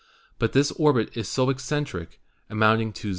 But this orbit is so eccen tric, amounting to 0.